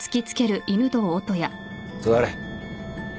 座れ。